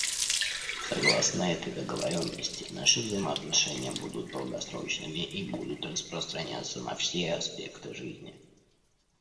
Согласно этой договоренности наши взаимоотношения будут долгосрочными и будут распространяться на все аспекты жизни.